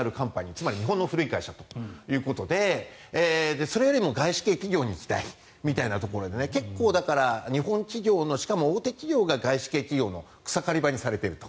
つまり日本の古い会社ということでそれよりも外資系企業に行きたいというところで結構、日本企業のしかも大手企業が外資系企業の草刈り場にされていると。